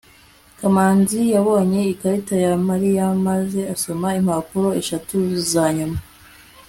kamanzi yabonye ikarita ya mariya maze asoma impapuro eshatu zanyuma